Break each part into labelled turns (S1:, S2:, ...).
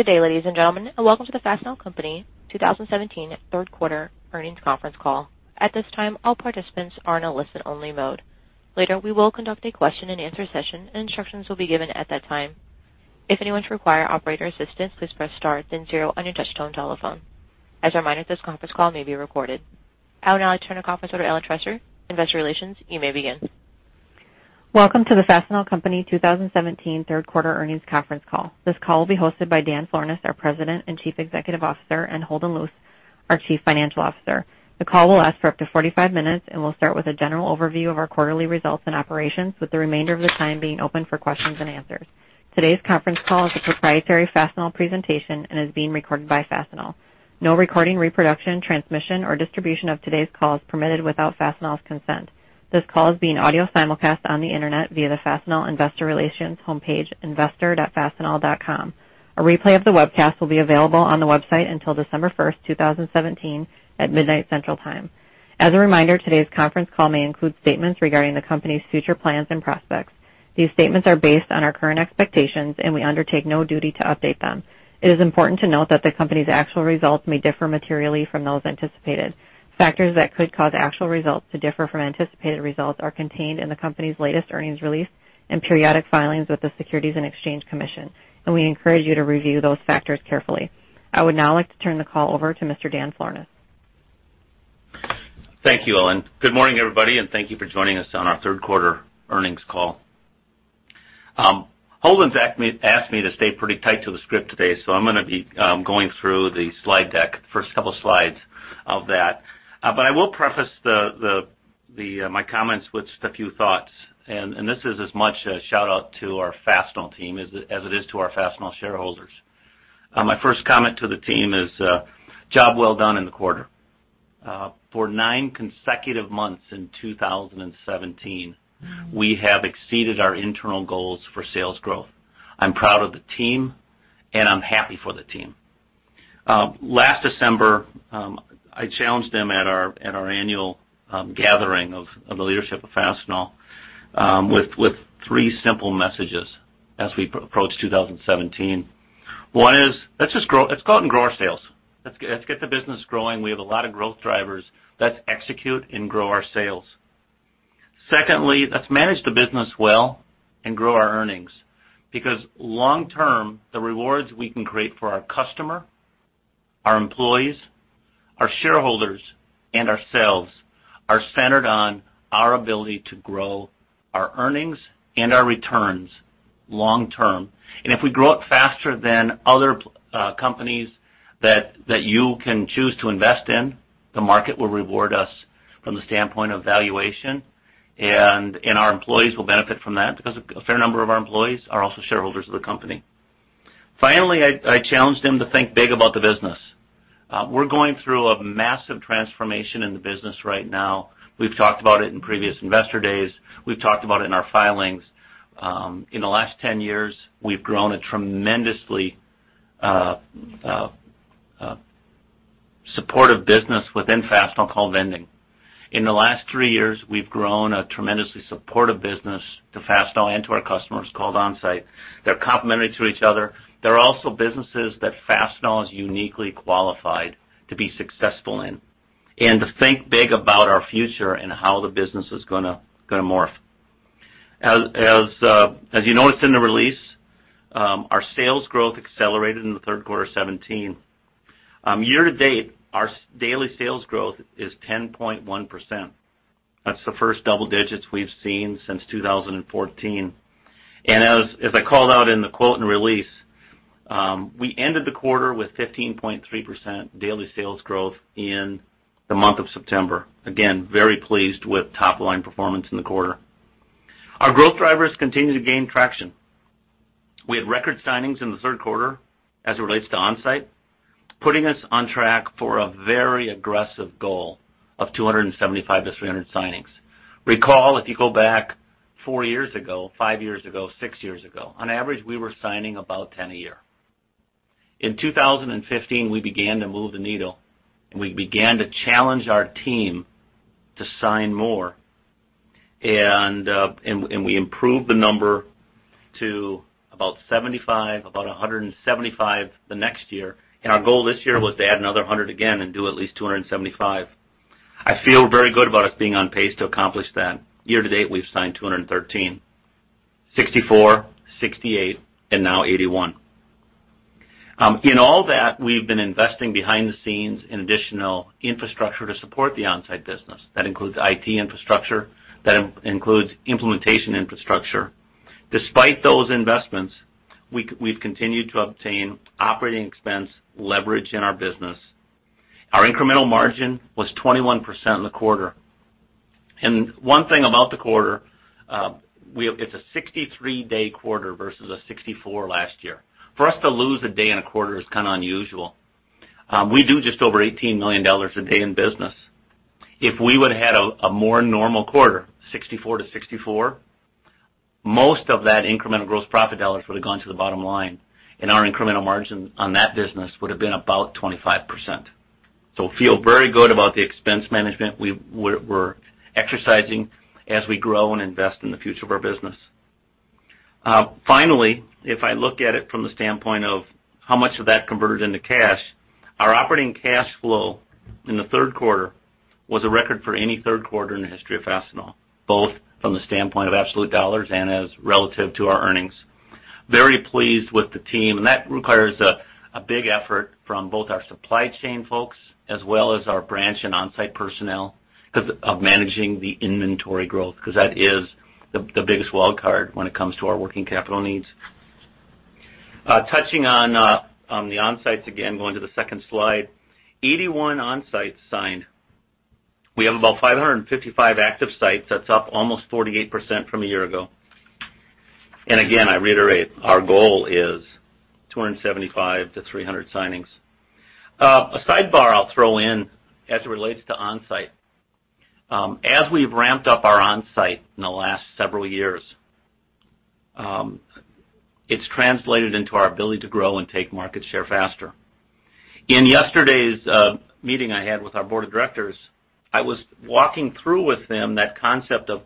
S1: Good day, ladies and gentlemen, and welcome to the Fastenal Company 2017 third quarter earnings conference call. At this time, all participants are in a listen-only mode. Later, we will conduct a question and answer session, and instructions will be given at that time. If anyone requires operator assistance, please press star then zero on your touchtone telephone. As a reminder, this conference call may be recorded. I would now like to turn the conference over to Ellen Trester, investor relations. You may begin.
S2: Welcome to the Fastenal Company 2017 third quarter earnings conference call. This call will be hosted by Dan Florness, our President and Chief Executive Officer, and Holden Lewis, our Chief Financial Officer. The call will last for up to 45 minutes and will start with a general overview of our quarterly results and operations, with the remainder of the time being open for questions and answers. Today's conference call is a proprietary Fastenal presentation and is being recorded by Fastenal. No recording, reproduction, transmission, or distribution of today's call is permitted without Fastenal's consent. This call is being audio simulcast on the Internet via the Fastenal Investor Relations homepage, investor.fastenal.com. A replay of the webcast will be available on the website until December 1st, 2017, at midnight Central Time. As a reminder, today's conference call may include statements regarding the company's future plans and prospects. These statements are based on our current expectations. We undertake no duty to update them. It is important to note that the company's actual results may differ materially from those anticipated. Factors that could cause actual results to differ from anticipated results are contained in the company's latest earnings release and periodic filings with the Securities and Exchange Commission. We encourage you to review those factors carefully. I would now like to turn the call over to Mr. Dan Florness.
S3: Thank you, Ellen. Good morning, everybody. Thank you for joining us on our third quarter earnings call. Holden's asked me to stay pretty tight to the script today. I'm going to be going through the slide deck, first couple slides of that. I will preface my comments with a few thoughts. This is as much a shout-out to our Fastenal team as it is to our Fastenal shareholders. My first comment to the team is, job well done in the quarter. For nine consecutive months in 2017, we have exceeded our internal goals for sales growth. I'm proud of the team. I'm happy for the team. Last December, I challenged them at our annual gathering of the leadership of Fastenal, with three simple messages as we approached 2017. One is, let's go out and grow our sales. Let's get the business growing. We have a lot of growth drivers. Let's execute and grow our sales. Secondly, let's manage the business well and grow our earnings, because long term, the rewards we can create for our customer, our employees, our shareholders, and ourselves are centered on our ability to grow our earnings and our returns long term. If we grow it faster than other companies that you can choose to invest in, the market will reward us from the standpoint of valuation, and our employees will benefit from that because a fair number of our employees are also shareholders of the company. Finally, I challenged them to think big about the business. We're going through a massive transformation in the business right now. We've talked about it in previous investor days. We've talked about it in our filings. In the last 10 years, we've grown a tremendously supportive business within Fastenal called Vending. In the last three years, we've grown a tremendously supportive business to Fastenal and to our customers called Onsite. They're complementary to each other. They're also businesses that Fastenal is uniquely qualified to be successful in and to think big about our future and how the business is going to morph. As you noticed in the release, our sales growth accelerated in the third quarter of 2017. Year to date, our daily sales growth is 10.1%. That's the first double digits we've seen since 2014. As I called out in the quote in the release, we ended the quarter with 15.3% daily sales growth in the month of September. Again, very pleased with top-line performance in the quarter. Our growth drivers continue to gain traction. We had record signings in the third quarter as it relates to Onsite, putting us on track for a very aggressive goal of 275-300 signings. Recall, if you go back four years ago, five years ago, six years ago, on average, we were signing about 10 a year. In 2015, we began to move the needle, and we began to challenge our team to sign more. We improved the number to about 75, about 175 the next year. Our goal this year was to add another 100 again and do at least 275. I feel very good about us being on pace to accomplish that. Year to date, we've signed 213, 64, 68, and now 81. In all that, we've been investing behind the scenes in additional infrastructure to support the Onsite business. That includes IT infrastructure. That includes implementation infrastructure. Despite those investments, we've continued to obtain operating expense leverage in our business. Our incremental margin was 21% in the quarter. One thing about the quarter, it's a 63-day quarter versus a 64 last year. For us to lose a day in a quarter is kind of unusual. We do just over $18 million a day in business. If we would've had a more normal quarter, 64-64, most of that incremental gross profit dollars would have gone to the bottom line, and our incremental margin on that business would have been about 25%. Feel very good about the expense management we're exercising as we grow and invest in the future of our business. If I look at it from the standpoint of how much of that converted into cash, our operating cash flow in the third quarter was a record for any third quarter in the history of Fastenal, both from the standpoint of absolute $ and as relative to our earnings. Very pleased with the team, and that requires a big effort from both our supply chain folks as well as our branch and Onsite personnel because of managing the inventory growth, because that is the biggest wild card when it comes to our working capital needs. Touching on the Onsites again, going to the second slide. 81 Onsites signed. We have about 555 active sites. That's up almost 48% from a year ago. Again, I reiterate, our goal is 275 to 300 signings. A sidebar I'll throw in as it relates to Onsite. As we've ramped up our Onsite in the last several years, it's translated into our ability to grow and take market share faster. In yesterday's meeting I had with our board of directors, I was walking through with them that concept of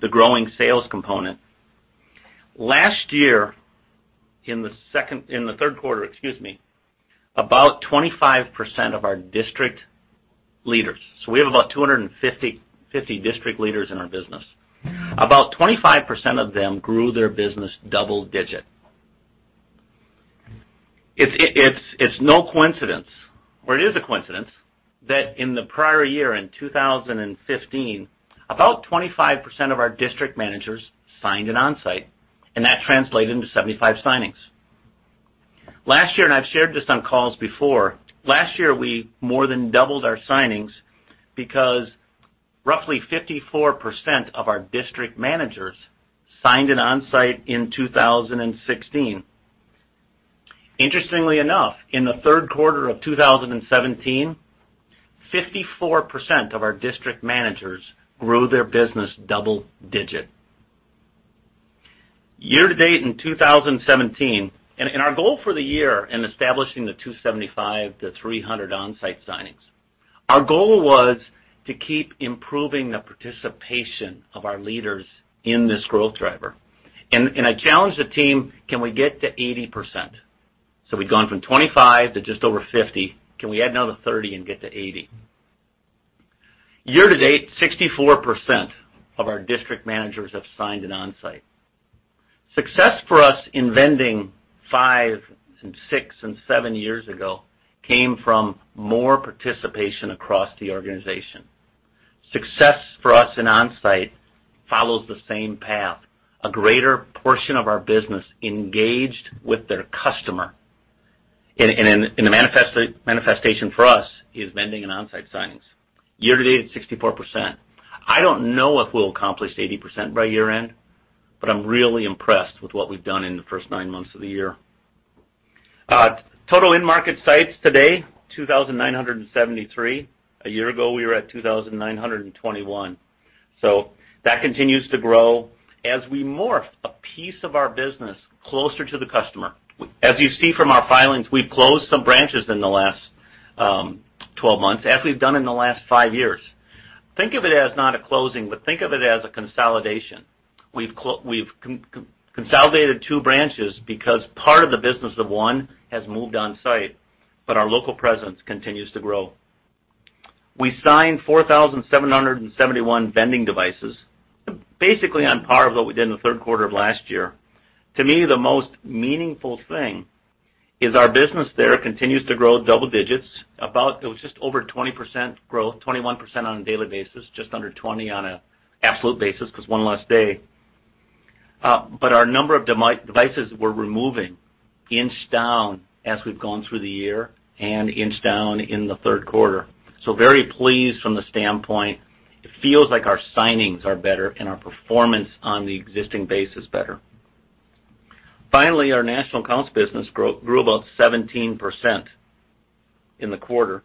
S3: the growing sales component. Last year, in the third quarter, about 25% of our district leaders, so we have about 250 district leaders in our business, about 25% of them grew their business double digit. It's no coincidence, or it is a coincidence, that in the prior year, in 2015, about 25% of our district managers signed an Onsite, and that translated into 75 signings. Last year, I've shared this on calls before, last year, we more than doubled our signings because roughly 54% of our district managers signed an Onsite in 2016. Interestingly enough, in the third quarter of 2017, 54% of our district managers grew their business double digit. Year-to-date in 2017, our goal for the year in establishing the 275 to 300 Onsite signings, our goal was to keep improving the participation of our leaders in this growth driver. I challenged the team, can we get to 80%? We'd gone from 25% to just over 50%. Can we add another 30% and get to 80%? Year-to-date, 64% of our district managers have signed an Onsite. Success for us in Vending 5 and 6 and 7 years ago came from more participation across the organization. Success for us in Onsite follows the same path. A greater portion of our business engaged with their customer, and the manifestation for us is Vending and Onsite signings. Year-to-date, it's 64%. I don't know if we'll accomplish 80% by year-end, but I'm really impressed with what we've done in the first nine months of the year. Total end market sites today, 2,973. A year ago, we were at 2,921. That continues to grow as we morph a piece of our business closer to the customer. As you see from our filings, we've closed some branches in the last 12 months, as we've done in the last 5 years. Think of it as not a closing, but think of it as a consolidation. We've consolidated 2 branches because part of the business of one has moved Onsite, but our local presence continues to grow. We signed 4,771 Vending devices, basically on par of what we did in the third quarter of last year. To me, the most meaningful thing is our business there continues to grow double digits. It was just over 20% growth, 21% on a daily basis, just under 20% on an absolute basis, because one less day. Our number of devices we're removing inch down as we've gone through the year and inch down in the third quarter. Very pleased from the standpoint, it feels like our signings are better and our performance on the existing base is better. Finally, our national accounts business grew about 17% in the quarter,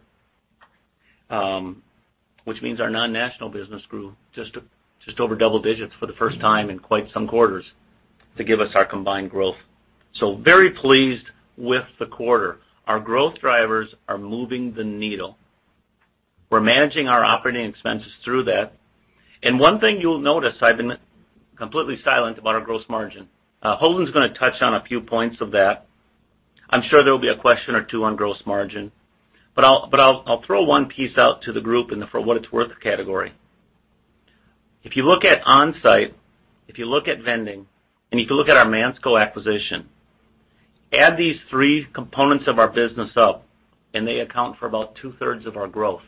S3: which means our non-national business grew just over double digits for the first time in quite some quarters to give us our combined growth. Very pleased with the quarter. Our growth drivers are moving the needle. We're managing our operating expenses through that. One thing you'll notice, I've been completely silent about our gross margin. Holden's going to touch on a few points of that. I'm sure there will be a question or two on gross margin, but I'll throw one piece out to the group in the for what it's worth category. If you look at Onsite, if you look at Vending, and if you look at our Mansco acquisition, add these three components of our business up, and they account for about two-thirds of our growth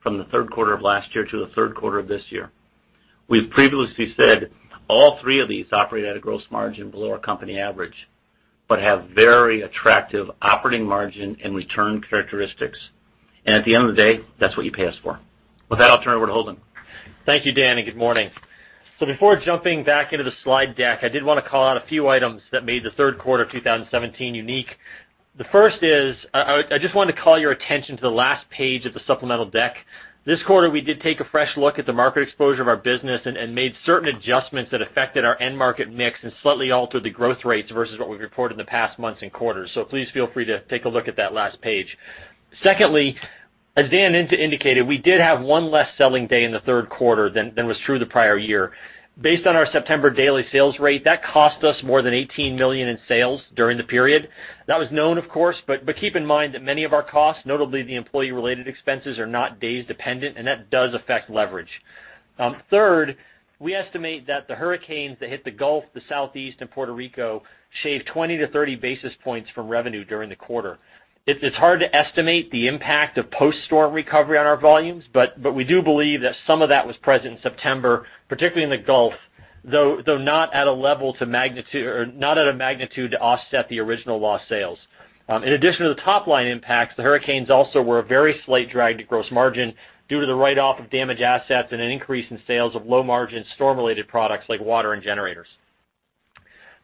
S3: from the third quarter of last year to the third quarter of this year. We've previously said all three of these operate at a gross margin below our company average but have very attractive operating margin and return characteristics. At the end of the day, that's what you pay us for. With that, I'll turn it over to Holden.
S4: Thank you, Dan, and good morning. Before jumping back into the slide deck, I did want to call out a few items that made the third quarter of 2017 unique. The first is, I just wanted to call your attention to the last page of the supplemental deck. This quarter, we did take a fresh look at the market exposure of our business and made certain adjustments that affected our end market mix and slightly altered the growth rates versus what we've reported in the past months and quarters. Please feel free to take a look at that last page. Secondly, as Dan indicated, we did have one less selling day in the third quarter than was true the prior year. Based on our September daily sales rate, that cost us more than $18 million in sales during the period. That was known, of course, keep in mind that many of our costs, notably the employee-related expenses, are not days dependent, and that does affect leverage. Third, we estimate that the hurricanes that hit the Gulf, the Southeast, and Puerto Rico shaved 20-30 basis points from revenue during the quarter. It's hard to estimate the impact of post-storm recovery on our volumes, but we do believe that some of that was present in September, particularly in the Gulf, though not at a magnitude to offset the original lost sales. In addition to the top-line impacts, the hurricanes also were a very slight drag to gross margin due to the write-off of damaged assets and an increase in sales of low-margin storm-related products like water and generators.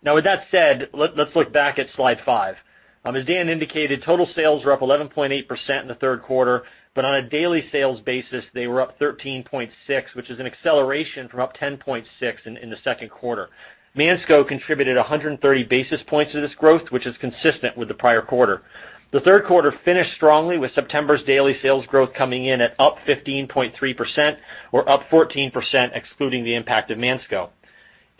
S4: With that said, let's look back at Slide 5. As Dan indicated, total sales were up 11.8% in the third quarter. On a daily sales basis, they were up 13.6%, which is an acceleration from up 10.6% in the second quarter. Mansco contributed 130 basis points to this growth, which is consistent with the prior quarter. The third quarter finished strongly with September's daily sales growth coming in at up 15.3%, or up 14% excluding the impact of Mansco.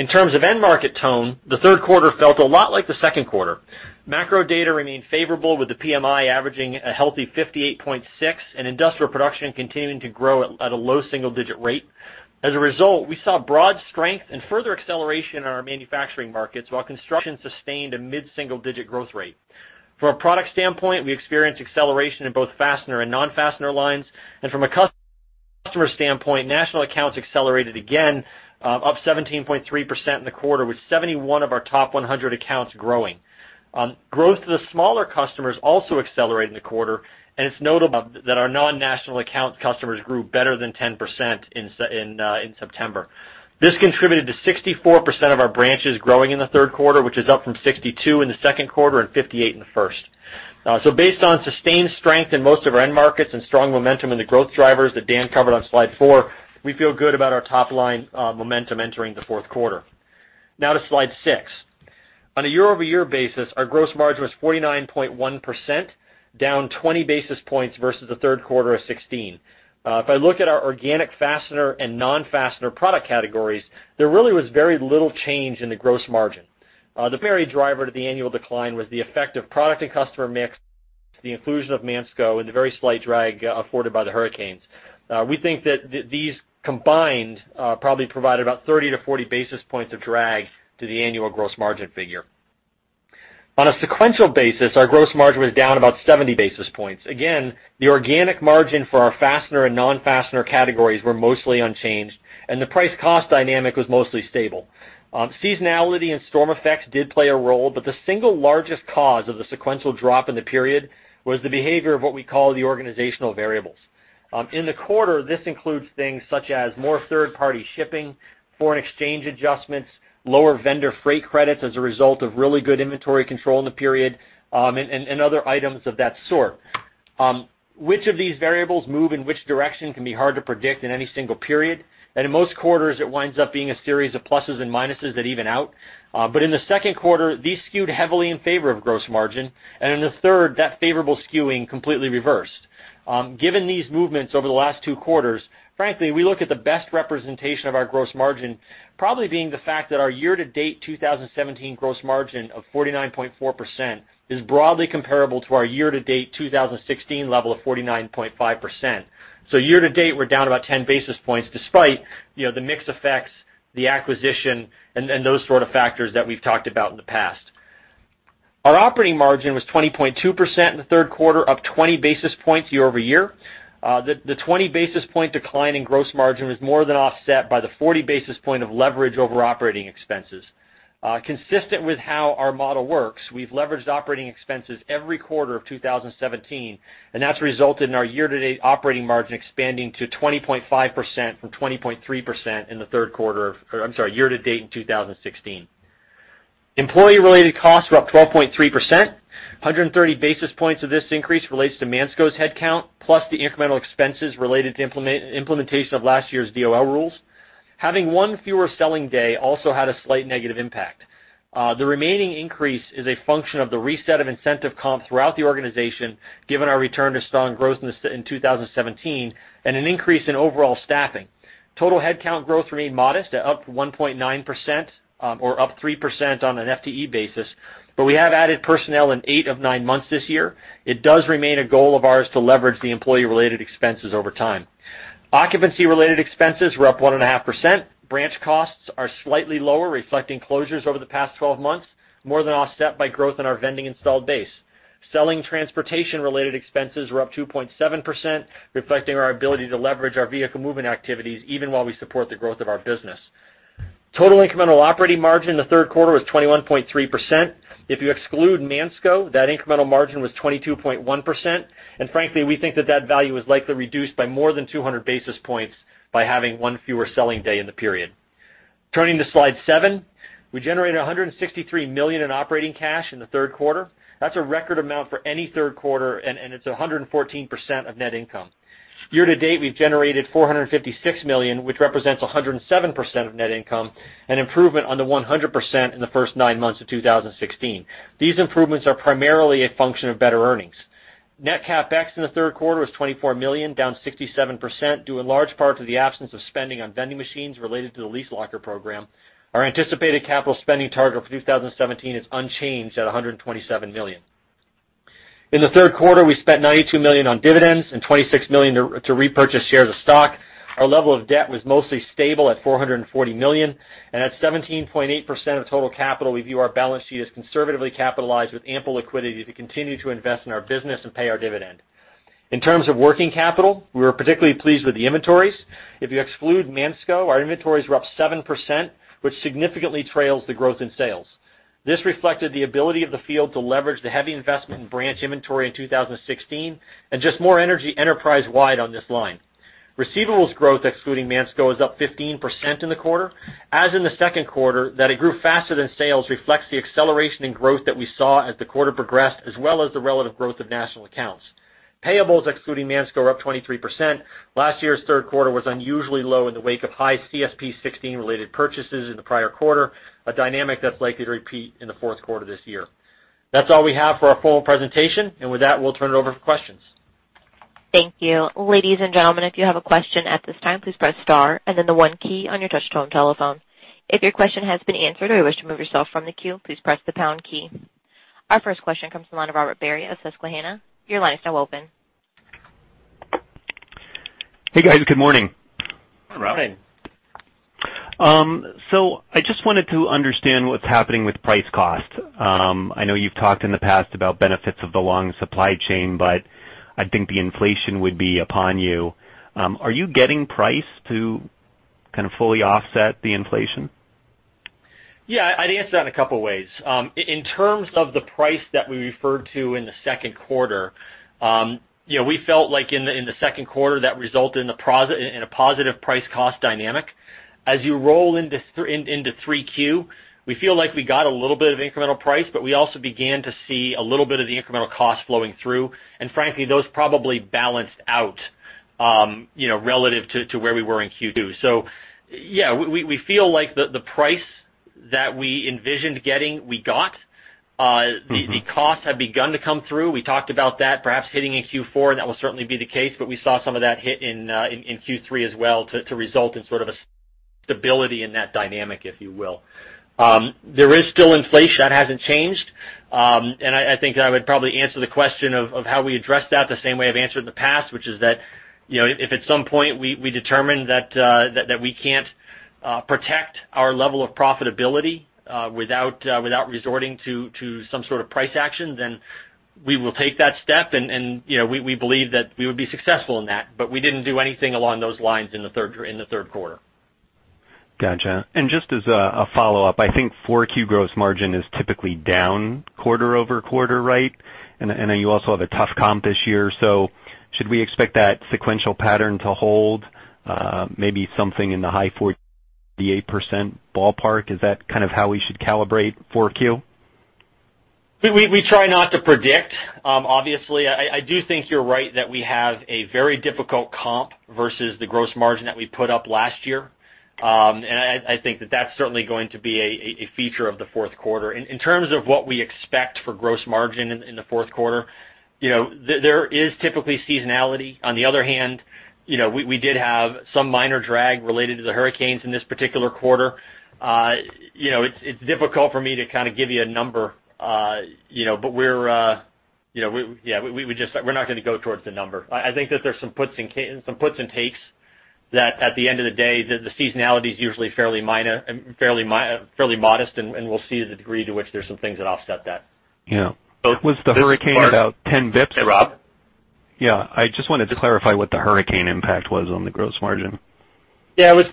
S4: In terms of end market tone, the third quarter felt a lot like the second quarter. Macro data remained favorable with the PMI averaging a healthy 58.6 and industrial production continuing to grow at a low single-digit rate. As a result, we saw broad strength and further acceleration in our manufacturing markets, while construction sustained a mid-single-digit growth rate. From a product standpoint, we experienced acceleration in both fastener and non-fastener lines. From a customer standpoint, national accounts accelerated again, up 17.3% in the quarter, with 71 of our top 100 accounts growing. Growth to the smaller customers also accelerated in the quarter, and it's notable that our non-national account customers grew better than 10% in September. This contributed to 64% of our branches growing in the third quarter, which is up from 62 in the second quarter and 58 in the first quarter. Based on sustained strength in most of our end markets and strong momentum in the growth drivers that Dan covered on Slide 4, we feel good about our top-line momentum entering the fourth quarter. Now to Slide 6. On a year-over-year basis, our gross margin was 49.1%, down 20 basis points versus the third quarter of 2016. If I look at our organic fastener and non-fastener product categories, there really was very little change in the gross margin. The very driver to the annual decline was the effect of product and customer mix, the inclusion of Mansco, and the very slight drag afforded by the hurricanes. We think that these combined probably provided about 30-40 basis points of drag to the annual gross margin figure. On a sequential basis, our gross margin was down about 70 basis points. Again, the organic margin for our fastener and non-fastener categories were mostly unchanged, and the price-cost dynamic was mostly stable. Seasonality and storm effects did play a role, but the single largest cause of the sequential drop in the period was the behavior of what we call the organizational variables. In the quarter, this includes things such as more third-party shipping, foreign exchange adjustments, lower vendor freight credits as a result of really good inventory control in the period, and other items of that sort. Which of these variables move in which direction can be hard to predict in any single period, and in most quarters, it winds up being a series of pluses and minuses that even out. In the second quarter, these skewed heavily in favor of gross margin, and in the third quarter, that favorable skewing completely reversed. Given these movements over the last two quarters, frankly, we look at the best representation of our gross margin probably being the fact that our year-to-date 2017 gross margin of 49.4% is broadly comparable to our year-to-date 2016 level of 49.5%. Year to date, we're down about 10 basis points despite the mix effects, the acquisition, and those sort of factors that we've talked about in the past. Our operating margin was 20.2% in the third quarter, up 20 basis points year-over-year. The 20 basis point decline in gross margin was more than offset by the 40 basis point of leverage over operating expenses. Consistent with how our model works, we've leveraged operating expenses every quarter of 2017, that's resulted in our year-to-date operating margin expanding to 20.5% from 20.3% year to date in 2016. Employee-related costs were up 12.3%. 130 basis points of this increase relates to Mansco's headcount, plus the incremental expenses related to implementation of last year's DOL rules. Having one fewer selling day also had a slight negative impact. The remaining increase is a function of the reset of incentive comp throughout the organization, given our return to strong growth in 2017, and an increase in overall staffing. Total headcount growth remained modest, at up 1.9%, or up 3% on an FTE basis, but we have added personnel in eight of nine months this year. It does remain a goal of ours to leverage the employee-related expenses over time. Occupancy-related expenses were up 1.5%. Branch costs are slightly lower, reflecting closures over the past 12 months, more than offset by growth in our Vending installed base. Selling transportation-related expenses were up 2.7%, reflecting our ability to leverage our vehicle movement activities even while we support the growth of our business. Total incremental operating margin in the third quarter was 21.3%. If you exclude Mansco, that incremental margin was 22.1%. Frankly, we think that that value is likely reduced by more than 200 basis points by having one fewer selling day in the period. Turning to Slide seven. We generated $163 million in operating cash in the third quarter. That's a record amount for any third quarter, and it's 114% of net income. Year-to-date, we've generated $456 million, which represents 107% of net income, an improvement on the 100% in the first nine months of 2016. These improvements are primarily a function of better earnings. Net CapEx in the third quarter was $24 million, down 67%, due in large part to the absence of spending on Vending machines related to the Lease Locker program. Our anticipated capital spending target for 2017 is unchanged at $127 million. In the third quarter, we spent $92 million on dividends and $26 million to repurchase shares of stock. Our level of debt was mostly stable at $440 million, at 17.8% of total capital, we view our balance sheet as conservatively capitalized with ample liquidity to continue to invest in our business and pay our dividend. In terms of working capital, we were particularly pleased with the inventories. If you exclude Mansco, our inventories were up 7%, which significantly trails the growth in sales. This reflected the ability of the field to leverage the heavy investment in branch inventory in 2016, and just more energy enterprise-wide on this line. Receivables growth, excluding Mansco, is up 15% in the quarter. As in the second quarter, that it grew faster than sales reflects the acceleration in growth that we saw as the quarter progressed, as well as the relative growth of national accounts. Payables, excluding Mansco, are up 23%. Last year's third quarter was unusually low in the wake of high CSP 16 related purchases in the prior quarter, a dynamic that's likely to repeat in the fourth quarter this year. That's all we have for our formal presentation. With that, we'll turn it over for questions.
S1: Thank you. Ladies and gentlemen, if you have a question at this time, please press star and then the one key on your touchtone telephone. If your question has been answered or you wish to remove yourself from the queue, please press the pound key. Our first question comes from the line of Robert Barry of Susquehanna. Your line is now open.
S5: Hey, guys. Good morning.
S4: Hi, Robert.
S5: I just wanted to understand what's happening with price cost. I know you've talked in the past about benefits of the long supply chain, but I think the inflation would be upon you. Are you getting price to kind of fully offset the inflation?
S4: Yeah. I'd answer that in a couple of ways. In terms of the price that we referred to in the second quarter, we felt like in the second quarter, that resulted in a positive price cost dynamic. As you roll into 3Q, we feel like we got a little bit of incremental price, but we also began to see a little bit of the incremental cost flowing through. Frankly, those probably balanced out, relative to where we were in Q2. Yeah, we feel like the price that we envisioned getting, we got. The costs have begun to come through. We talked about that perhaps hitting in Q4, that will certainly be the case, but we saw some of that hit in Q3 as well to result in sort of a stability in that dynamic, if you will. There is still inflation. That hasn't changed. I think I would probably answer the question of how we address that the same way I've answered in the past, which is that, if at some point we determine that we can't protect our level of profitability without resorting to some sort of price action, we will take that step we believe that we would be successful in that. We didn't do anything along those lines in the third quarter.
S5: Gotcha. Just as a follow-up, I think 4Q gross margin is typically down quarter-over-quarter, right? I know you also have a tough comp this year, should we expect that sequential pattern to hold? Maybe something in the high 48% ballpark? Is that kind of how we should calibrate 4Q?
S4: We try not to predict, obviously. I do think you're right that we have a very difficult comp versus the gross margin that we put up last year. I think that that's certainly going to be a feature of the fourth quarter. In terms of what we expect for gross margin in the fourth quarter, there is typically seasonality. On the other hand, we did have some minor drag related to the hurricanes in this particular quarter. It's difficult for me to kind of give you a number, but we're not going to go towards the number. I think that there's some puts and takes that at the end of the day, the seasonality is usually fairly modest, and we'll see the degree to which there's some things that offset that.
S5: Yeah. Was the hurricane about 10 basis points?
S4: Hey, Rob?
S5: Yeah. I just wanted to clarify what the hurricane impact was on the gross margin.
S4: It was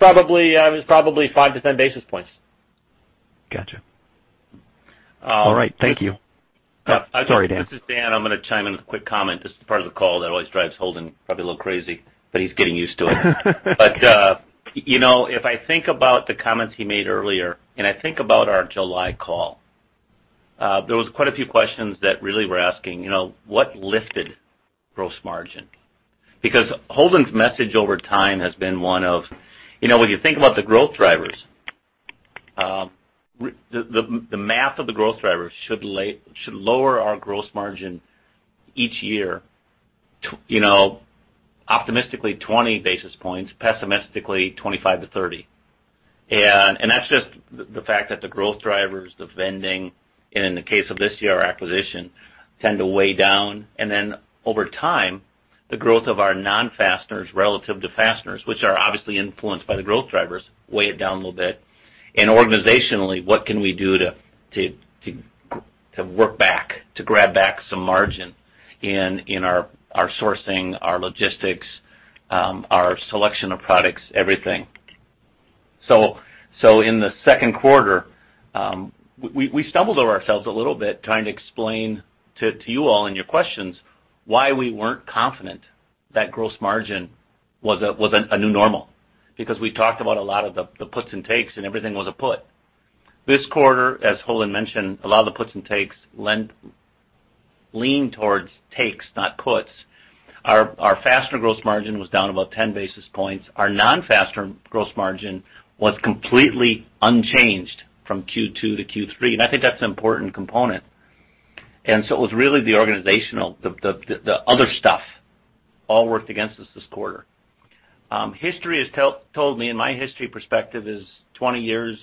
S4: probably five to 10 basis points.
S5: Got you. All right. Thank you. Sorry, Dan.
S3: This is Dan. I'm going to chime in with a quick comment. This is the part of the call that always drives Holden probably a little crazy, but he's getting used to it. If I think about the comments he made earlier, and I think about our July call, there was quite a few questions that really were asking, what lifted gross margin? Holden's message over time has been one of, when you think about the growth drivers, the math of the growth drivers should lower our gross margin each year, optimistically 20 basis points, pessimistically 25 to 30. That's just the fact that the growth drivers, the Vending, and in the case of this year, our acquisition, tend to weigh down. Over time, the growth of our non-fasteners relative to fasteners, which are obviously influenced by the growth drivers, weigh it down a little bit. Organizationally, what can we do to work back, to grab back some margin in our sourcing, our logistics, our selection of products, everything. In the second quarter, we stumbled over ourselves a little bit trying to explain to you all in your questions why we weren't confident that gross margin was a new normal. We talked about a lot of the puts and takes, and everything was a put. This quarter, as Holden mentioned, a lot of the puts and takes lean towards takes, not puts. Our Fastenal gross margin was down about 10 basis points. Our non-Fastenal gross margin was completely unchanged from Q2 to Q3, I think that's an important component. It was really the organizational, the other stuff, all worked against us this quarter. History has told me, and my history perspective is 20 years,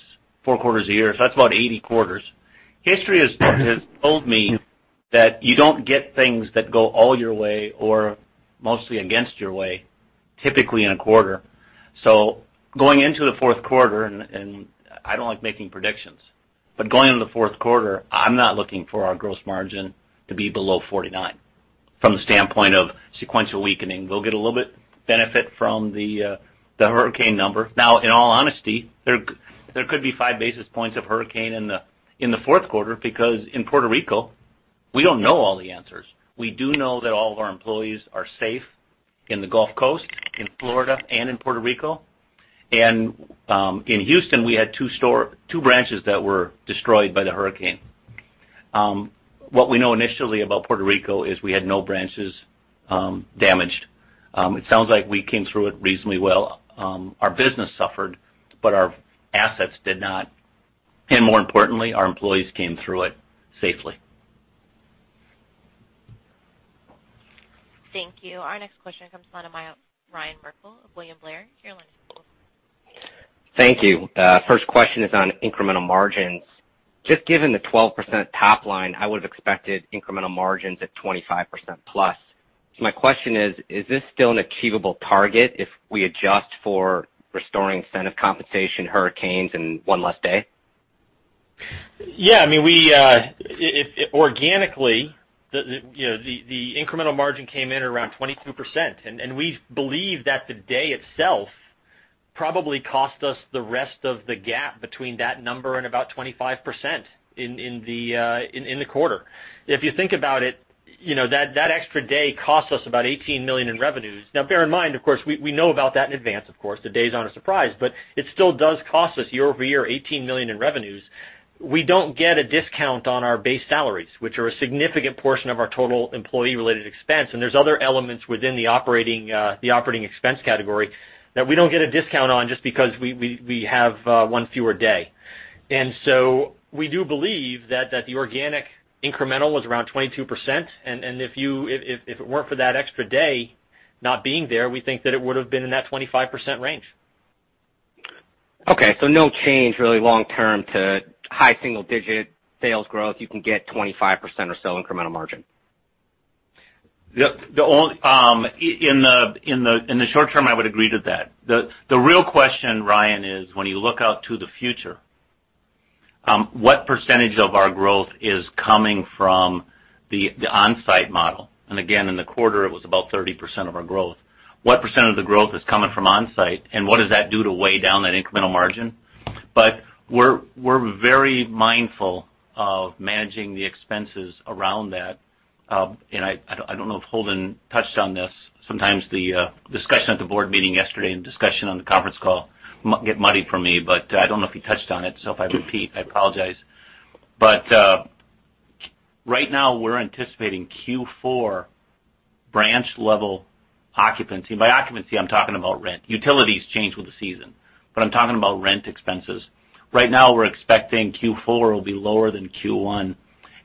S3: four quarters a year, so that's about 80 quarters. History has told me that you don't get things that go all your way or mostly against your way, typically in a quarter. Going into the fourth quarter, and I don't like making predictions, but going into the fourth quarter, I'm not looking for our gross margin to be below 49 from the standpoint of sequential weakening. We'll get a little bit benefit from the hurricane number. Now, in all honesty, there could be five basis points of hurricane in the fourth quarter because in Puerto Rico, we don't know all the answers. We do know that all of our employees are safe in the Gulf Coast, in Florida, and in Puerto Rico. In Houston, we had two branches that were destroyed by the hurricane. What we know initially about Puerto Rico is we had no branches damaged. It sounds like we came through it reasonably well. Our business suffered, but our assets did not. More importantly, our employees came through it safely.
S1: Thank you. Our next question comes from the line of Ryan Merkel of William Blair. Your line is open.
S6: Thank you. First question is on incremental margins. Just given the 12% top line, I would have expected incremental margins at 25% plus. My question is this still an achievable target if we adjust for restoring incentive compensation, hurricanes, and one less day?
S4: Yeah, organically, the incremental margin came in around 22%, and we believe that the day itself probably cost us the rest of the gap between that number and about 25% in the quarter. If you think about it, that extra day cost us about $18 million in revenues. Now bear in mind, of course, we know about that in advance, of course. The day's not a surprise, but it still does cost us year-over-year $18 million in revenues. We don't get a discount on our base salaries, which are a significant portion of our total employee-related expense, and there's other elements within the operating expense category that we don't get a discount on just because we have one fewer day. We do believe that the organic incremental was around 22%, and if it weren't for that extra day not being there, we think that it would have been in that 25% range.
S6: No change really long term to high single digit sales growth. You can get 25% or so incremental margin.
S3: In the short term, I would agree to that. The real question, Ryan, is when you look out to the future, what percentage of our growth is coming from the Onsite model? Again, in the quarter, it was about 30% of our growth. What percent of the growth is coming from Onsite, and what does that do to weigh down that incremental margin? We're very mindful of managing the expenses around that. I don't know if Holden touched on this. Sometimes the discussion at the board meeting yesterday and discussion on the conference call get muddy for me, but I don't know if he touched on it. If I repeat, I apologize. Right now we're anticipating Q4 branch-level occupancy. By occupancy, I'm talking about rent. Utilities change with the season. I'm talking about rent expenses. Right now we're expecting Q4 will be lower than Q1.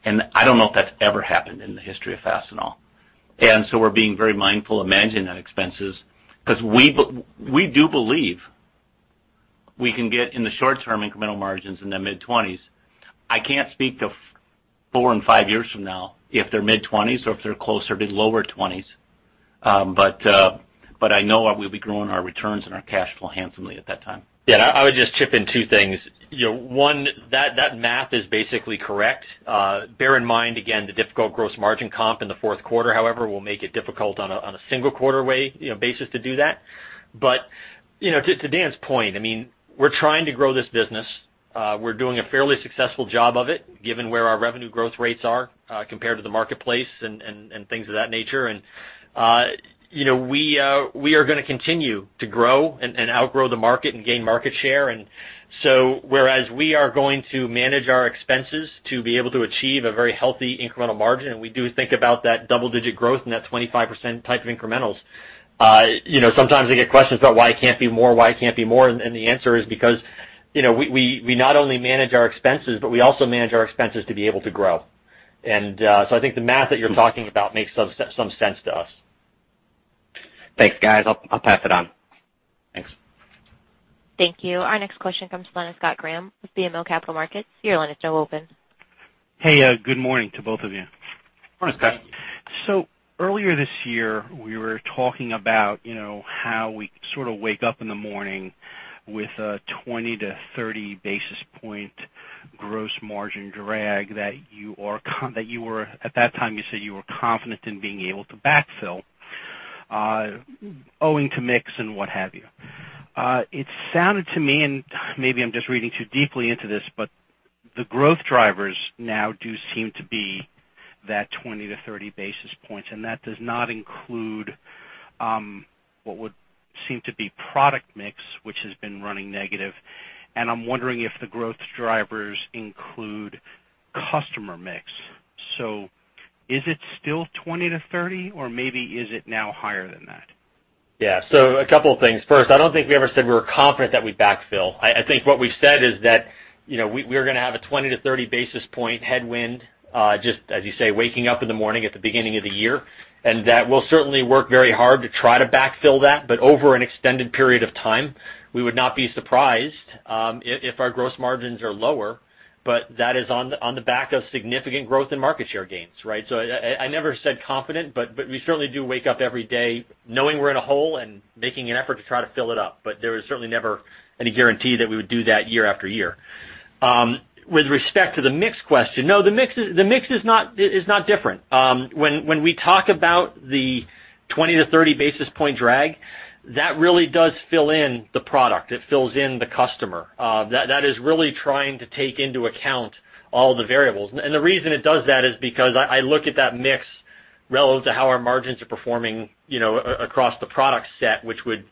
S3: I don't know if that's ever happened in the history of Fastenal. We're being very mindful of managing that expenses because we do believe we can get in the short term incremental margins in the mid-20s. I can't speak to four and five years from now if they're mid-20s or if they're closer to lower 20s. I know we'll be growing our returns and our cash flow handsomely at that time.
S4: Yeah, I would just chip in two things. One, that math is basically correct. Bear in mind, again, the difficult gross margin comp in the fourth quarter, however, will make it difficult on a single quarter basis to do that. To Dan's point, we're trying to grow this business. We're doing a fairly successful job of it, given where our revenue growth rates are compared to the marketplace and things of that nature. We are going to continue to grow and outgrow the market and gain market share. Whereas we are going to manage our expenses to be able to achieve a very healthy incremental margin, and we do think about that double digit growth and that 25% type of incrementals. Sometimes I get questions about why it can't be more, why it can't be more, and the answer is because we not only manage our expenses, but we also manage our expenses to be able to grow. I think the math that you're talking about makes some sense to us.
S6: Thanks, guys. I'll pass it on. Thanks.
S1: Thank you. Our next question comes from the line of Scott Graham with BMO Capital Markets. Your line is now open.
S7: Hey, good morning to both of you.
S4: Morning, Scott.
S3: Morning.
S7: Earlier this year, we were talking about how we sort of wake up in the morning with a 20 to 30 basis point gross margin drag that at that time you said you were confident in being able to backfill owing to mix and what have you. It sounded to me, and maybe I'm just reading too deeply into this, but the growth drivers now do seem to be That 20 to 30 basis points, and that does not include what would seem to be product mix, which has been running negative. I'm wondering if the growth drivers include customer mix. Is it still 20 to 30, or maybe is it now higher than that?
S4: Yeah. A couple of things. First, I don't think we ever said we were confident that we'd backfill. I think what we said is that we are going to have a 20 to 30 basis point headwind, just as you say, waking up in the morning at the beginning of the year, and that we'll certainly work very hard to try to backfill that. Over an extended period of time, we would not be surprised if our gross margins are lower. That is on the back of significant growth and market share gains, right? I never said confident, but we certainly do wake up every day knowing we're in a hole and making an effort to try to fill it up. There is certainly never any guarantee that we would do that year after year. With respect to the mix question, no, the mix is not different. When we talk about the 20 to 30 basis point drag, that really does fill in the product. It fills in the customer. That is really trying to take into account all the variables. The reason it does that is because I look at that mix relative to how our margins are performing across the product set, which would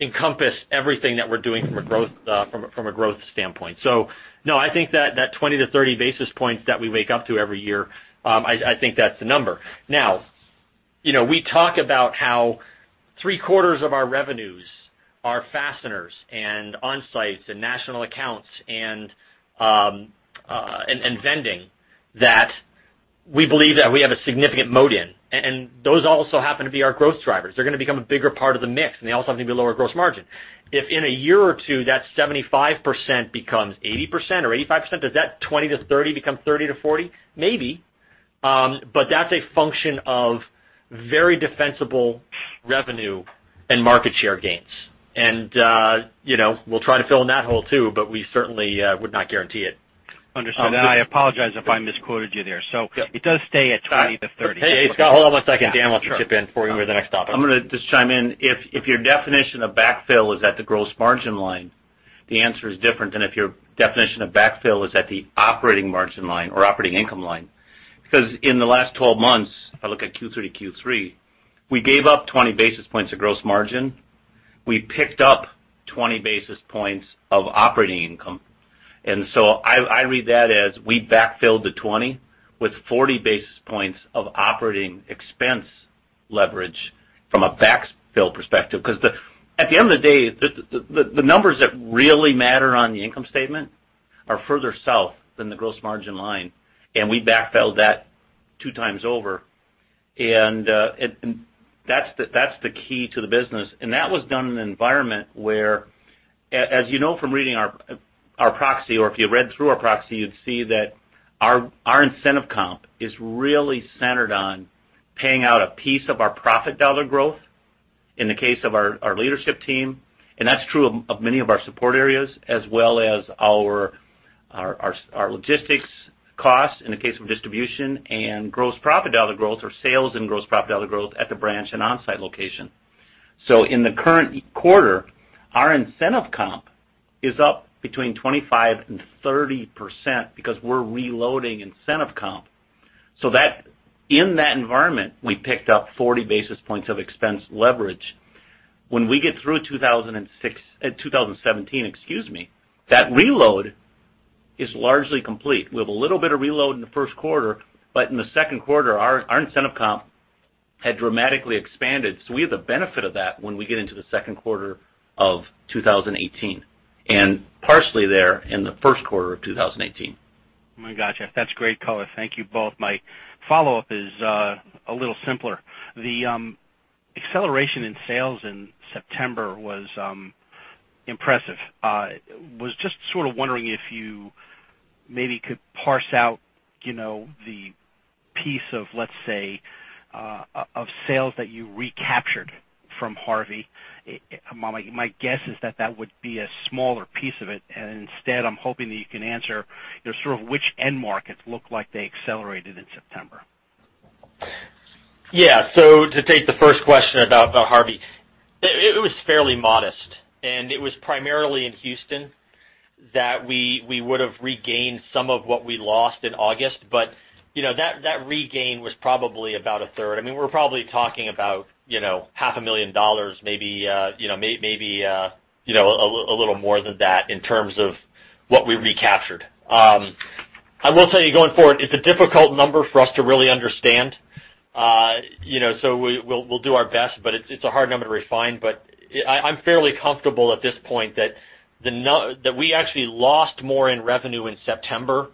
S4: encompass everything that we're doing from a growth standpoint. No, I think that 20 to 30 basis points that we wake up to every year, I think that's the number. Now, we talk about how three-quarters of our revenues are fasteners and Onsites and national accounts and Vending that we believe that we have a significant moat in. Those also happen to be our growth drivers. They're going to become a bigger part of the mix, and they also happen to be a lower gross margin. If in a year or two, that 75% becomes 80% or 85%, does that 20 to 30 become 30 to 40? Maybe. That's a function of very defensible revenue and market share gains. We'll try to fill in that hole too, but we certainly would not guarantee it.
S7: Understood. I apologize if I misquoted you there. It does stay at 20 to 30.
S4: Hey, Scott, hold on one second. Daniel L. Florness wants to chip in before we go to the next topic.
S3: I'm going to just chime in. If your definition of backfill is at the gross margin line, the answer is different than if your definition of backfill is at the operating margin line or operating income line. In the last 12 months, if I look at Q3 to Q3, we gave up 20 basis points of gross margin. We picked up 20 basis points of operating income. I read that as we backfilled the 20 with 40 basis points of operating expense leverage from a backfill perspective. At the end of the day, the numbers that really matter on the income statement are further south than the gross margin line, and we backfilled that two times over. That's the key to the business. That was done in an environment where, as you know from reading our proxy, or if you read through our proxy, you'd see that our incentive comp is really centered on paying out a piece of our profit dollar growth in the case of our leadership team, and that's true of many of our support areas, as well as our logistics costs in the case of distribution, and gross profit dollar growth or sales and gross profit dollar growth at the branch and Onsite location. In the current quarter, our incentive comp is up between 25% and 30% because we're reloading incentive comp. In that environment, we picked up 40 basis points of expense leverage. When we get through 2017, that reload is largely complete. We have a little bit of reload in the first quarter, in the second quarter, our incentive comp had dramatically expanded. We have the benefit of that when we get into the second quarter of 2018, partially there in the first quarter of 2018.
S7: Got you. That's great color. Thank you both. My follow-up is a little simpler. The acceleration in sales in September was impressive. Was just sort of wondering if you maybe could parse out the piece of, let's say, of sales that you recaptured from Hurricane Harvey. My guess is that that would be a smaller piece of it, and instead, I'm hoping that you can answer sort of which end markets look like they accelerated in September.
S4: Yeah. To take the first question about Hurricane Harvey, it was fairly modest, and it was primarily in Houston that we would've regained some of what we lost in August. That regain was probably about a third. We're probably talking about half a million dollars, maybe a little more than that in terms of what we recaptured. I will tell you going forward, it's a difficult number for us to really understand. We'll do our best, it's a hard number to refine. I'm fairly comfortable at this point that we actually lost more in revenue in September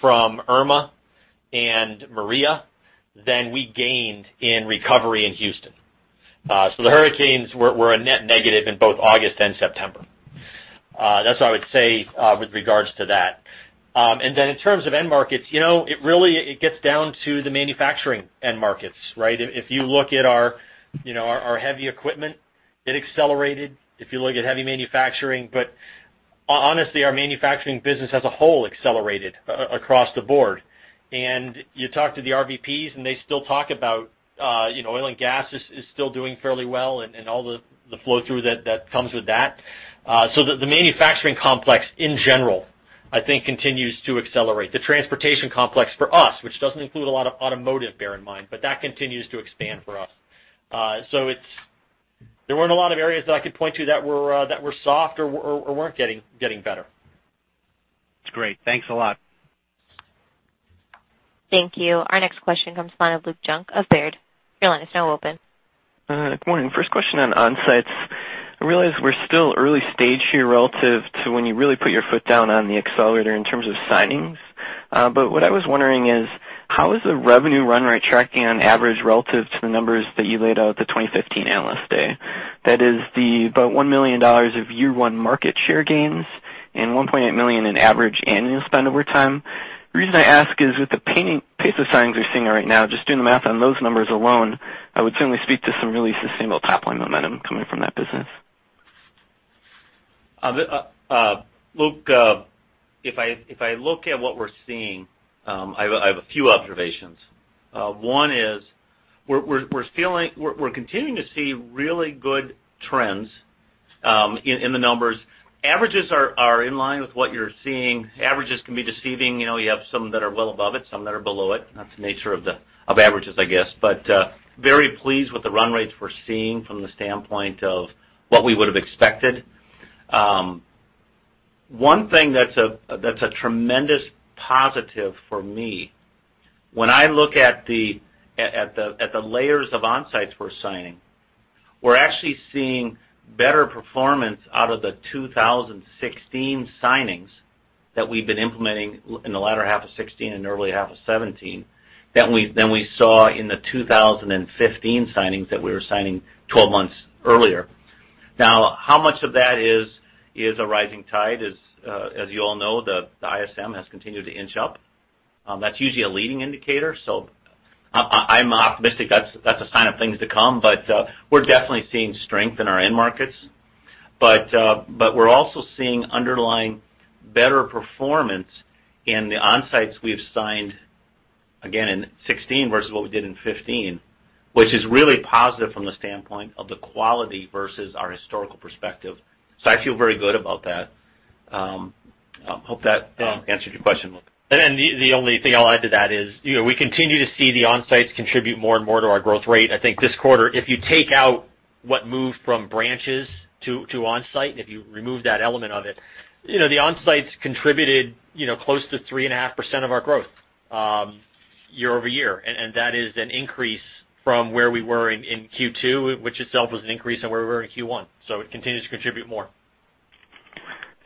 S4: from Hurricane Irma and Hurricane Maria than we gained in recovery in Houston. The hurricanes were a net negative in both August and September. That's what I would say with regards to that. In terms of end markets, it really gets down to the manufacturing end markets, right? If you look at our heavy equipment, it accelerated. If you look at heavy manufacturing. Honestly, our manufacturing business as a whole accelerated across the board. You talk to the RVPs, and they still talk about oil and gas is still doing fairly well and all the flow-through that comes with that. The manufacturing complex in general, I think, continues to accelerate. The transportation complex for us, which doesn't include a lot of automotive, bear in mind, that continues to expand for us. There weren't a lot of areas that I could point to that were soft or weren't getting better.
S7: That's great. Thanks a lot.
S1: Thank you. Our next question comes from the line of Luke Junk of Baird. Your line is now open.
S8: Good morning. First question on Onsites. I realize we're still early stage here relative to when you really put your foot down on the accelerator in terms of signings. What I was wondering is, how is the revenue run rate tracking on average relative to the numbers that you laid out at the 2015 Analyst Day? That is the about $1 million of year one market share gains and $1.8 million in average annual spend over time. The reason I ask is with the pace of signings we're seeing right now, just doing the math on those numbers alone, I would certainly speak to some really sustainable top-line momentum coming from that business.
S3: Luke, if I look at what we're seeing, I have a few observations. One is we're continuing to see really good trends in the numbers. Averages are in line with what you're seeing. Averages can be deceiving. You have some that are well above it, some that are below it. That's the nature of averages, I guess. Very pleased with the run rates we're seeing from the standpoint of what we would've expected. One thing that's a tremendous positive for me, when I look at the layers of Onsites we're signing, we're actually seeing better performance out of the 2016 signings that we've been implementing in the latter half of 2016 and early half of 2017 than we saw in the 2015 signings that we were signing 12 months earlier. How much of that is a rising tide? You all know, the ISM has continued to inch up. That's usually a leading indicator, so I'm optimistic that's a sign of things to come. We're definitely seeing strength in our end markets. We're also seeing underlying better performance in the Onsites we've signed, again, in 2016 versus what we did in 2015, which is really positive from the standpoint of the quality versus our historical perspective. I feel very good about that. Hope that answered your question, Luke.
S4: The only thing I'll add to that is we continue to see the Onsite contribute more and more to our growth rate. I think this quarter, if you take out what moved from branches to Onsite, and if you remove that element of it, the Onsite contributed close to 3.5% of our growth year-over-year. That is an increase from where we were in Q2, which itself was an increase on where we were in Q1. It continues to contribute more.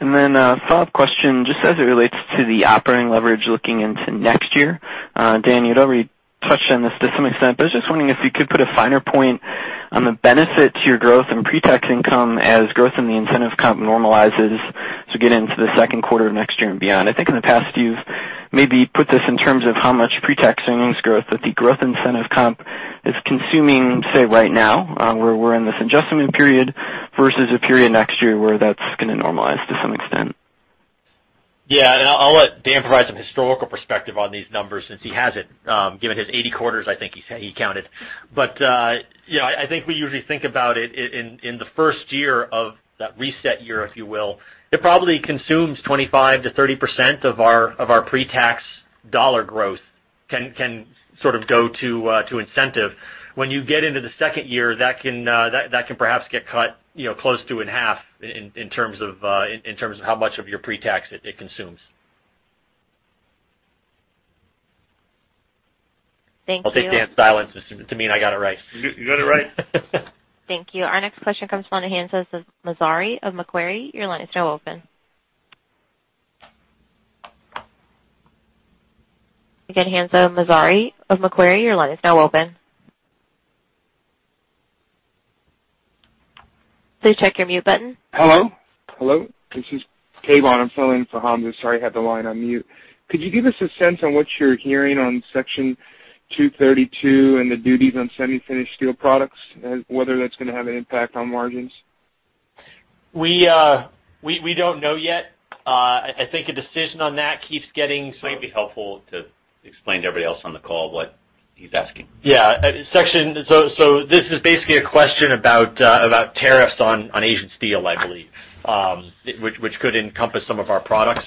S8: A follow-up question, just as it relates to the operating leverage looking into next year. Dan, you'd already touched on this to some extent, but I was just wondering if you could put a finer point on the benefit to your growth and pre-tax income as growth in the incentive comp normalizes to get into the second quarter of next year and beyond. I think in the past, you've maybe put this in terms of how much pre-tax earnings growth that the growth incentive comp is consuming, say, right now, where we're in this adjustment period, versus a period next year where that's going to normalize to some extent.
S4: Yeah. I'll let Dan provide some historical perspective on these numbers since he has it, given his 80 quarters I think he counted. I think we usually think about it in the first year of that reset year, if you will. It probably consumes 25%-30% of our pre-tax dollar growth can sort of go to incentive. When you get into the second year, that can perhaps get cut close to in half in terms of how much of your pre-tax it consumes.
S1: Thank you.
S4: I'll take Dan's silence to mean I got it right.
S3: You got it right.
S1: Thank you. Our next question comes from the line of Hamzah Mazari of Macquarie. Your line is now open. Again, Hamzah Mazari of Macquarie, your line is now open. Please check your mute button.
S9: Hello? Hello, this is Kavon. I'm filling in for Hanzo. Sorry, I had the line on mute. Could you give us a sense on what you're hearing on Section 232 and the duties on semi-finished steel products, whether that's going to have an impact on margins?
S4: We don't know yet. I think a decision on that keeps.
S3: It might be helpful to explain to everybody else on the call what he's asking.
S4: Yeah. This is basically a question about tariffs on Asian steel, I believe, which could encompass some of our products.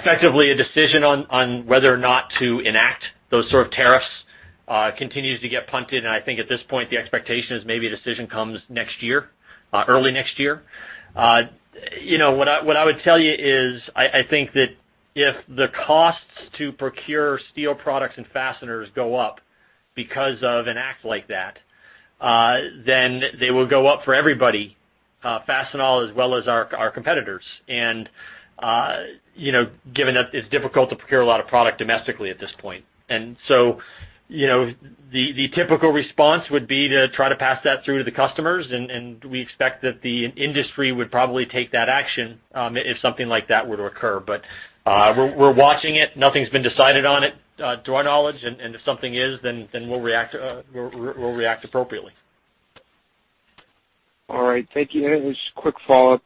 S4: Effectively, a decision on whether or not to enact those sort of tariffs continues to get punted, I think at this point, the expectation is maybe a decision comes next year, early next year. What I would tell you is I think that if the costs to procure steel products and fasteners go up because of an act like that, they will go up for everybody, Fastenal as well as our competitors. Given that it's difficult to procure a lot of product domestically at this point, the typical response would be to try to pass that through to the customers, we expect that the industry would probably take that action if something like that were to occur. We're watching it. Nothing's been decided on it to our knowledge, if something is, we'll react appropriately.
S9: All right. Thank you. It was quick follow-up.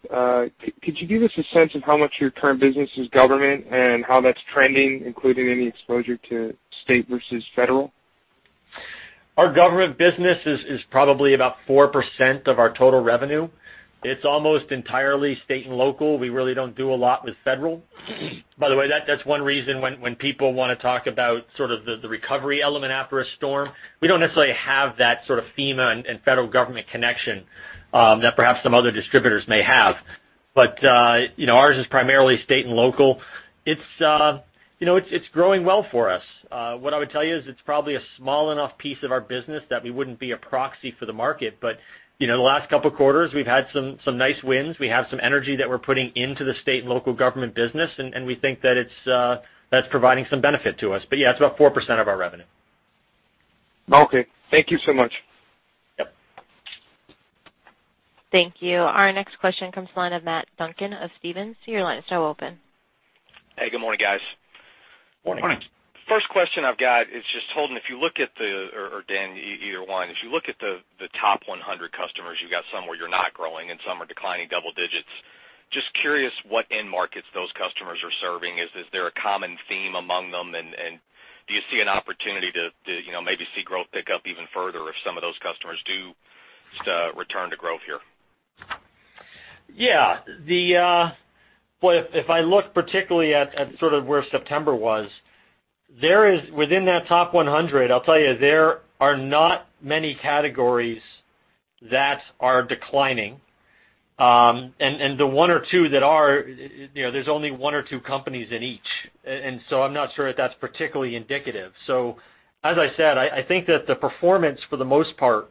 S9: Could you give us a sense of how much your current business is government and how that's trending, including any exposure to state versus federal?
S4: Our government business is probably about 4% of our total revenue. It's almost entirely state and local. We really don't do a lot with federal. By the way, that's one reason when people want to talk about sort of the recovery element after a storm, we don't necessarily have that sort of FEMA and federal government connection that perhaps some other distributors may have. Ours is primarily state and local. It's growing well for us. What I would tell you is it's probably a small enough piece of our business that we wouldn't be a proxy for the market. The last couple of quarters, we've had some nice wins. We have some energy that we're putting into the state and local government business, and we think that's providing some benefit to us. Yeah, it's about 4% of our revenue.
S9: Okay. Thank you so much.
S4: Yep.
S1: Thank you. Our next question comes to the line of Matt Duncan of Stephens. Your line is now open.
S10: Hey, good morning, guys.
S4: Morning.
S3: Morning.
S10: First question I've got is just, Holden, if you look at or Dan, either one. If you look at the top 100 customers, you've got some where you're not growing and some are declining double digits. Just curious what end markets those customers are serving. Is there a common theme among them, and do you see an opportunity to maybe see growth pick up even further if some of those customers do return to growth here?
S4: Yeah. If I look particularly at sort of where September was, within that top 100, I'll tell you, there are not many categories that are declining. The one or two that are, there's only one or two companies in each. I'm not sure if that's particularly indicative. As I said, I think that the performance, for the most part,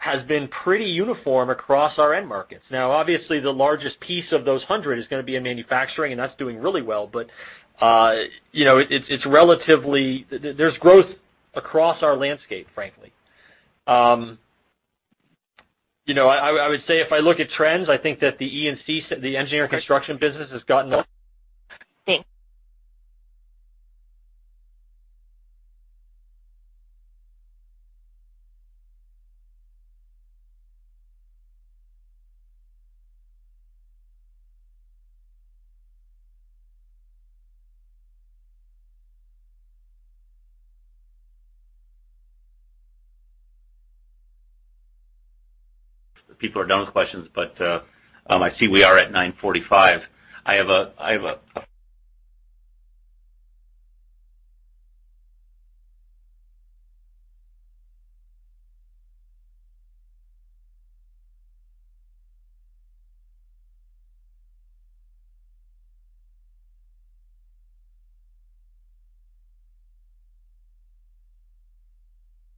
S4: has been pretty uniform across our end markets. Now, obviously, the largest piece of those 100 is going to be in manufacturing, and that's doing really well. There's growth across our landscape, frankly. I would say if I look at trends, I think that the Engineering and Construction, the Engineering and Construction business, If people are done with questions, but I see we are at 9:45 A.M.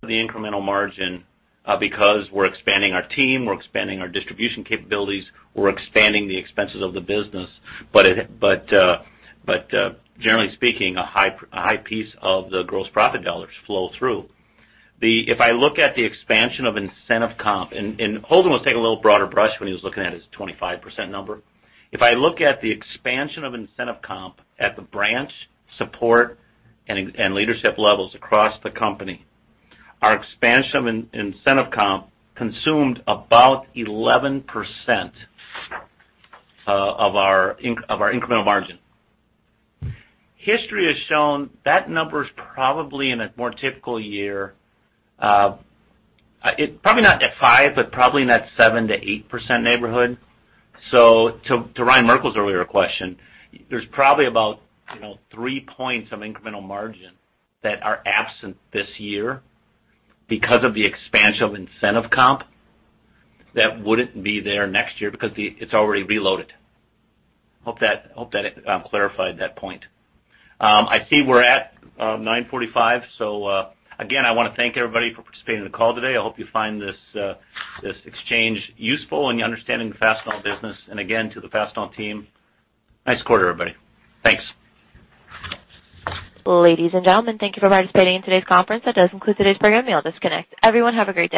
S3: The incremental margin, because we're expanding our team, we're expanding our distribution capabilities, we're expanding the expenses of the business. Generally speaking, a high piece of the gross profit dollars flow through. If I look at the expansion of incentive comp, Holden was taking a little broader brush when he was looking at his 25% number. If I look at the expansion of incentive comp at the branch, support, and leadership levels across the company, our expansion of incentive comp consumed about 11% of our incremental margin. History has shown that number's probably in a more typical year, probably not at five, but probably in that 7% to 8% neighborhood. To Ryan Merkel's earlier question, there's probably about three points of incremental margin that are absent this year because of the expansion of incentive comp that wouldn't be there next year because it's already reloaded. Hope that clarified that point. I see we're at 9:45 A.M. Again, I want to thank everybody for participating in the call today. I hope you find this exchange useful in your understanding of the Fastenal business. Again, to the Fastenal team, nice quarter, everybody. Thanks.
S1: Ladies and gentlemen, thank you for participating in today's conference. That does conclude today's program. You may all disconnect. Everyone, have a great day.